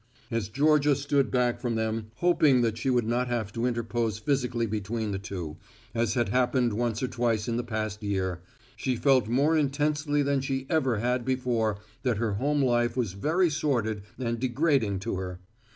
As Georgia stood back from them hoping that she would not have to interpose physically between the two, as had happened once or twice in the past year, she felt more intensely than she ever had before that her home life was very sordid and degrading to her.